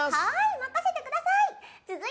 任せてください！